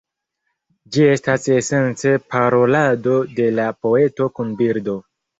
Ĝi estas esence parolado de la poeto kun birdo.